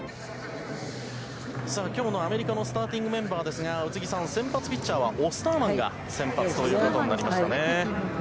きょうのアメリカのスターティングメンバーですが、宇津木さん、先発ピッチャーはオスターマンが先発ということになりましたね。